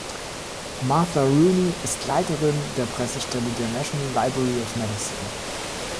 Martha Rooney ist Leiterin der Pressestelle der National Library of Medicine.